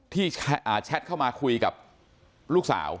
แชทเข้ามาคุยกับลูกสาว